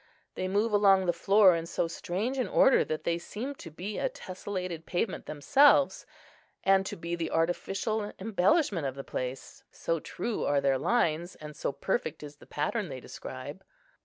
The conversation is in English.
They move along the floor in so strange an order that they seem to be a tesselated pavement themselves, and to be the artificial embellishment of the place; so true are their lines, and so perfect is the pattern they describe.